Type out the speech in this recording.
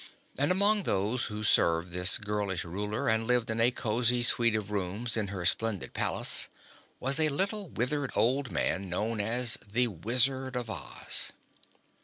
And among those who served this girlish Ruler and lived in a cozy suite of rooms in her splendid palace, was a little, withered old man known as the Wizard of Oz.